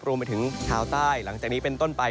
รวมไปถึงชาวใต้หลังจากนี้เป็นต้นไป